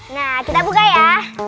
nah kita buka ya